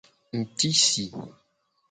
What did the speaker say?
Ngtisi.